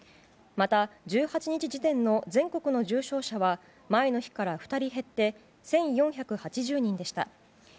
また、１８日時点の全国の重症者は前の日から２人減って１４８０人でした。